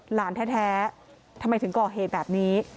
หลานแท้ทำไมถึงก่อเหตุแบบนี้